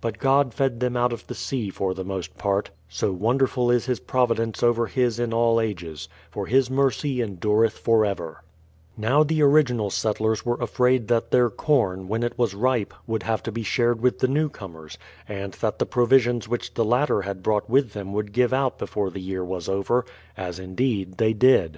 But God fed them out of the sea for the most part, so wonderful is His providence over His in all figes; for His mercy endureth for ever, THE PL\T\IOUTH SETTLEIVIENT 125 Now the original settlers were afraid that their corn, when rt was ripe, would have to be shared with the new comers, and that the provisions which the latter had brought with them would give out before the year was over, — as indeed they did.